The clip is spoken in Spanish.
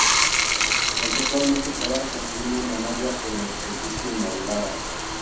Conceptualmente, trabaja construyendo una "malla" sobre la superficie modelada.